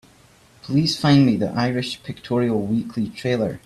Please find me the Irish Pictorial Weekly trailer.